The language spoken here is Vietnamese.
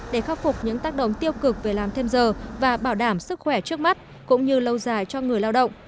để khắc phục những tác động tiêu cực về làm thêm giờ và bảo đảm sức khỏe trước mắt cũng như lâu dài cho người lao động